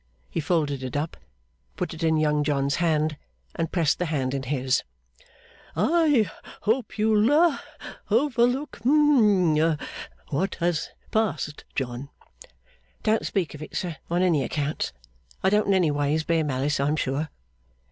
He folded it up, put it in Young John's hand, and pressed the hand in his. 'I hope you'll ha overlook hum what has passed, John.' 'Don't speak of it, sir, on any accounts. I don't in any ways bear malice, I'm sure.